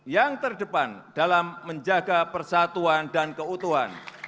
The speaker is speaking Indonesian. yang terdepan dalam menjaga persatuan dan keutuhan